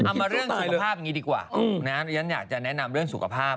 มาเรื่องสุขภาพอย่างนี้ดีกว่าฉันอยากจะแนะนำเรื่องสุขภาพ